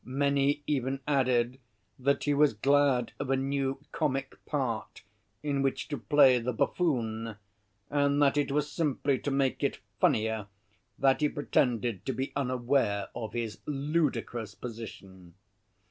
Many even added that he was glad of a new comic part in which to play the buffoon, and that it was simply to make it funnier that he pretended to be unaware of his ludicrous position.